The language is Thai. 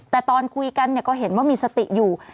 แต่ตอนคุยกันก็เห็นว่ามีสติอยู่